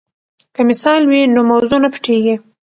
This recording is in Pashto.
که مثال وي نو موضوع نه پټیږي.